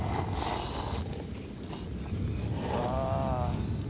うわ。